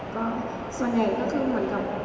ก็ส่วนใหญ่ก็คือเหมือนกับ